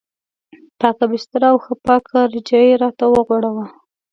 پاکه بستره او ښه پاکه رجایي یې راته وغوړوله.